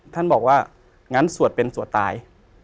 ท่านบอกว่างั้นสวดเป็นสวดตาย